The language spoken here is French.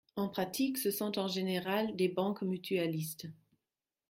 En pratique, ce sont en général des banques mutualistes.